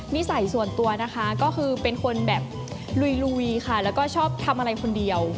นิสัยส่วนตัวนะคะก็คือเป็นคนแบบลุยค่ะแล้วก็ชอบทำอะไรคนเดียว